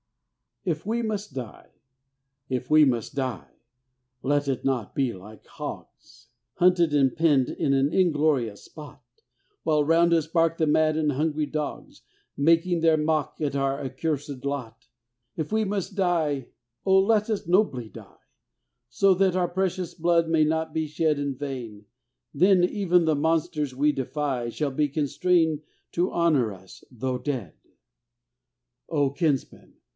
IF WE MUST DIE If we must die let it not be like hogs Hunted and penned in an inglorious spot, While round us bark the mad and hungry dogs, Making their mock at our accursed lot. If we must die oh, let us nobly die, So that our precious blood may not be shed In vain; then even the monsters we defy Shall be constrained to honor us though dead! Oh, Kinsmen!